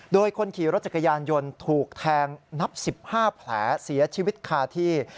โดยคนขี่รถจักรยานยนต์ถูกแทงนับ๑๕แผลเสียชีวิตคาที่